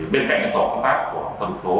bên cạnh các tổ công tác của phần số